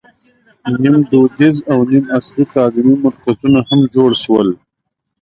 نیم دودیز او نیم عصري تعلیمي مرکزونه هم جوړ شول.